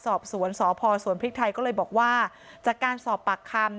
สอบสวนสพสวนพริกไทยก็เลยบอกว่าจากการสอบปากคำ